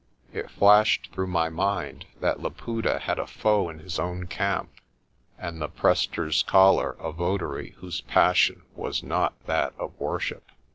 It flashed through my mind that Laputa had a foe in his own camp, and the Prester's collar a votary whose passion was not that of worship.